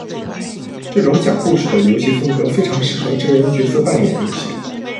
这种讲故事的游戏风格非常适合真人角色扮演游戏。